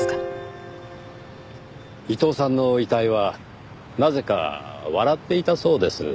伊藤さんの遺体はなぜか笑っていたそうです。